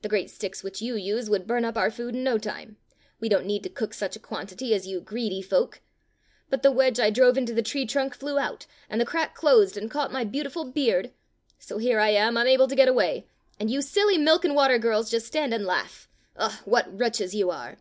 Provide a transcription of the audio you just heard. The great sticks which you use would burn up our food in no time. We don't need to cook such a quantity as you greedy folk. But the wedge I drove into the tree trunk flew out, and the crack closed and caught my 41 Fairy Tale Bears beautiful beard. So here I am, unable to get away; and you silly milk and water girls just stand and laugh. Ugh! what wretches you are!